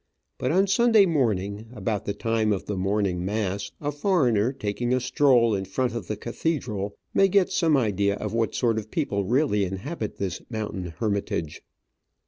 But on Sunday morning, about the LADY IN MANTILLA. time of the morning mass, a foreigner taking a stroll in front of the cathedral may get some idea of what sort of people really inhabit this mountain hermitage.